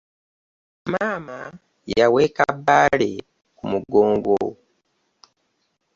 Maama yaweeka Bbale ku mugongo.